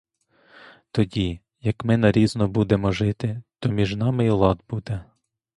Тоді, як ми нарізно будемо жити, то між нами й лад буде.